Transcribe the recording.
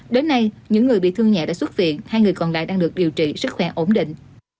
đến nay những người bị thương nhẹ đã xuất viện hai người còn lại đang được điều trị sức khỏe ổn định